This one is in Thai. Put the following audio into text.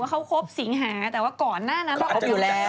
แปลกสิเธอเพิ่งคบ